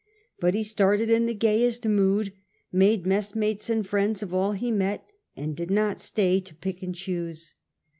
But he started in the gayest mood, made messmates and friends of all he met, and did not stay to pick and choose.